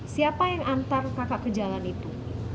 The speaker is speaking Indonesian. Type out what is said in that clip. siapa yang antar kakak ke jalan itu